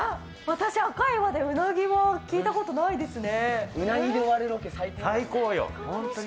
私、赤磐でうなぎは聞いたことないですね。